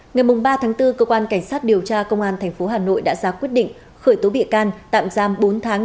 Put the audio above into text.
ngày mùng ba tháng bốn cơ quan cảnh sát điều tra công an thành phố hà nội đã ra quyết định khởi tố bịa can tạm giam bốn tháng